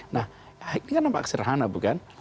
nah ini kan nampak sederhana bukan